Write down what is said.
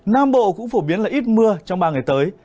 nam bộ cũng phổ biến là ít mưa trong ba ngày tới